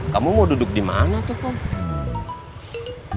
kamu mau duduk dimana tuh